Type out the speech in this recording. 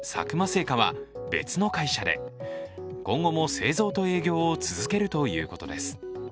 製菓は別の会社で、今後も製造と営業を続けるということです。